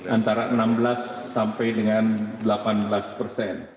antara enam belas sampai dengan delapan belas persen